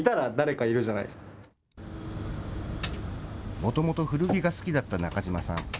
もともと古着が好きだった中島さん。